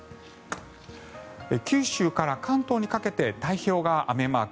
九州から関東にかけて太平洋側、雨マーク。